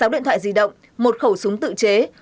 sáu điện thoại di động một khẩu súng tự chế